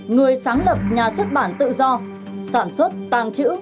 người sáng lập nhà xuất bản tự do sản xuất tàng trữ